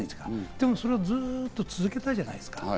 でもそれをずっと続けたじゃないですか。